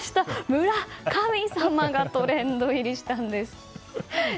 村神様がトレンド入りしたんです。